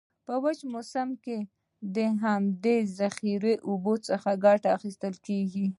په وچ موسم کې د همدي ذخیره اوبو څخه کټه اخیستل کیږي.